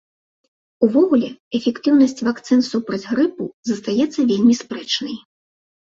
Увогуле, эфектыўнасць вакцын супраць грыпу застаецца вельмі спрэчнай.